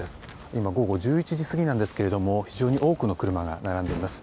今、午後１１時過ぎなんですが非常に多くの車が並んでいます。